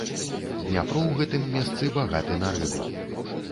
Дняпро ў гэтым месцы багаты на рыбу.